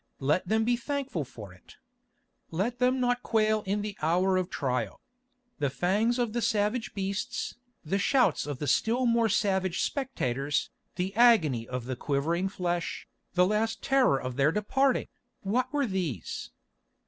Let them be thankful for it. Let them not quail in the hour of trial. The fangs of the savage beasts, the shouts of the still more savage spectators, the agony of the quivering flesh, the last terror of their departing, what were these?